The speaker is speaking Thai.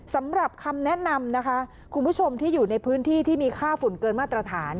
สำหรับคำแนะนำนะคะคุณผู้ชมที่อยู่ในพื้นที่ที่มีค่าฝุ่นเกินมาตรฐาน